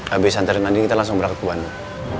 habis antarin andi kita langsung berangkat ke bandung